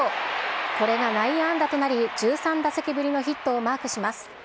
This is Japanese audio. これが内野安打となり、１３打席ぶりのヒットをマークします。